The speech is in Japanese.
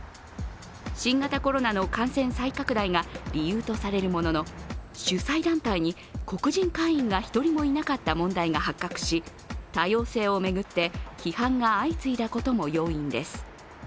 新型コロナの感染再拡大が理由とされるものの主催団体に黒人会員が１人もいなかった問題が発覚し、多様性を巡って批判が相次いだことも要因です。